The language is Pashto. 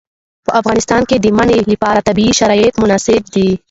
په افغانستان کې د منی لپاره طبیعي شرایط مناسب دي.